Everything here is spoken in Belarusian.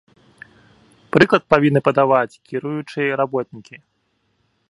Прыклад павінны падаваць кіруючыя работнікі.